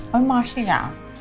tapi makasih ya